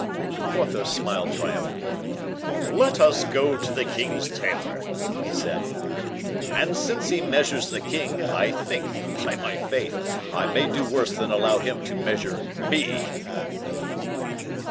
Porthos smiled triumphantly. "Let us go to the king's tailor," he said; "and since he measures the king, I think, by my faith, I may do worse than allow him to measure _me!